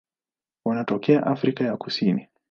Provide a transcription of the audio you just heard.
Wanatokea Afrika ya Kusini.